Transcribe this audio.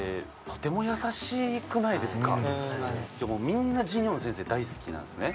みんなジニョン先生大好きなんですね？